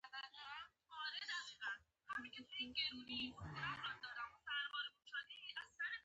اوبه د غوټه ماهيانو شاهپرونه راوتلي وو.